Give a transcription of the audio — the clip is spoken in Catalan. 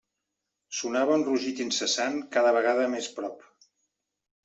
Sonava un rugit incessant cada vegada més prop.